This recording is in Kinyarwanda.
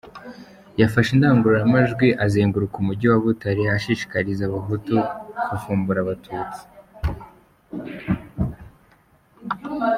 Yafashe indagururamajwi azenguruka umujyi wa Butare ashishikariza Abahutu kuvumbura Abatutsi.